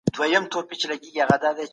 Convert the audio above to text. څنګه تابعیت پر نورو هیوادونو اغیز کوي؟